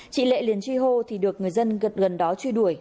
chị lệ liền truy hô thì được người dân gần đó truy đuổi